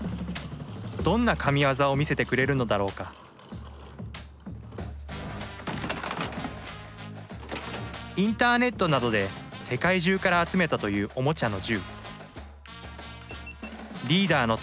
どんなカミワザを見せてくれるのだろうかインターネットなどで世界中から集めたというおもちゃの銃リーダーの